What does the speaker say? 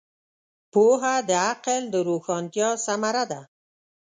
پوهه د عقل د روښانتیا ثمره ده.